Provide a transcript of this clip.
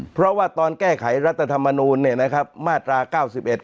เพราะว่าตอนแก้ไขรัฐธรรมนูลเนี่ยนะครับมาตรา๙๑๙๓๙๔เนี่ย